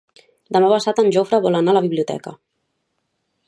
Demà passat en Jofre vol anar a la biblioteca.